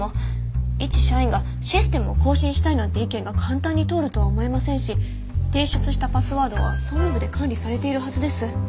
一社員がシステムを更新したいなんて意見が簡単に通るとは思えませんし提出したパスワードは総務部で管理されているはずです。